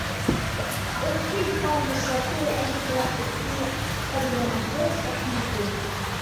Au fil du temps le château a été affecté à de nombreuses activités.